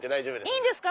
いいんですか！